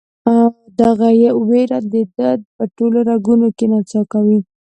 دغه ویر د ده په ټولو رګونو کې نڅا کوي.